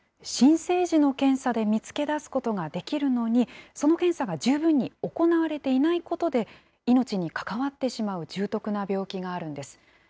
新生児の検査で見つけ出すことができるのに、その検査が十分に行われていないことで、命に関わってしまう重篤な病気があるんです。